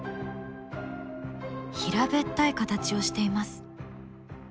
平べったい形をしています。